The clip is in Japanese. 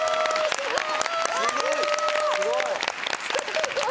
すごい。